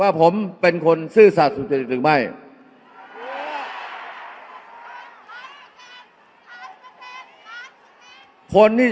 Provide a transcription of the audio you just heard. อย่าให้ลุงตู่สู้คนเดียว